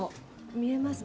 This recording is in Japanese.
見えますか？